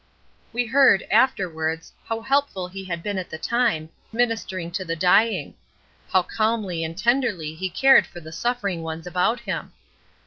We heard, afterwards, how helpful he had been at the time, ministering to the dying! How calmly and tenderly he cared for the suffering ones about him!